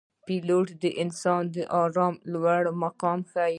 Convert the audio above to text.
پیلوټ د انسان د ارادې لوړ مقام ښيي.